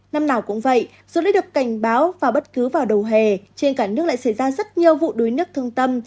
năm nào cũng vậy dù đã được cảnh báo vào bất cứ vào đầu hè trên cả nước lại xảy ra rất nhiều vụ đuối nước thương tâm